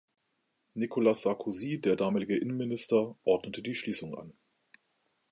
Nicolas Sarkozy, der damalige Innenminister, ordnete die Schließung an.